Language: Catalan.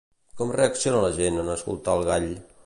Com reacciona la gent en escoltar el gall?